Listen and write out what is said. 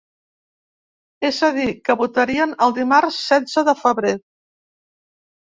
És a dir, que votarien el dimarts setze de febrer.